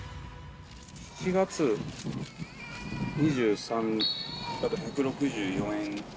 ７月２３から１６４円。